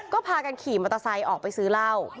ก็พากันขี่มอเตอร์ไซค์ออกไปซื้อเหล้า